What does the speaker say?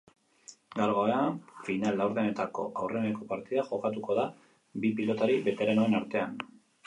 Gaur gauean final-laurdenetako aurreneko partida jokatuko da bi pilotari beteranoen artean.